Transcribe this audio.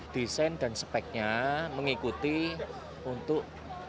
desain dan speknya mengikuti untuk